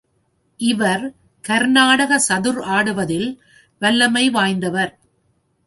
இவர் கர்நாடக சதுர் ஆடுவதில் வல்லமை வாய்ந்தவர்.